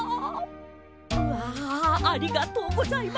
わあありがとうございます。